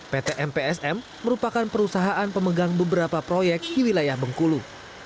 pt mpsm merupakan perusahaan pemegang beberapa proyek di wilayah bengkulu